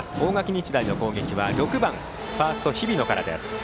日大の攻撃は６番ファースト、日比野から。